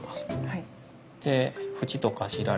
はい。